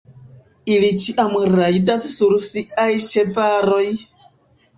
Ili ĉiam rajdas sur siaj ĉevaloj!